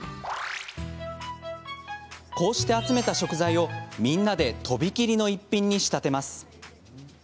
こうして集めた食材をみんなでとびきりの一品に仕立てます。